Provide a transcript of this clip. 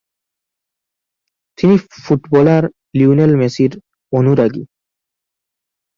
তিনি footballer Lionel মেসির অনুরাগী।